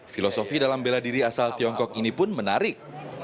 filosofi dalam bela diri asal tiongkok ini pun menarik